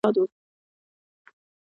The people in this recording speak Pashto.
بلخ ښار ولې ام البلاد و؟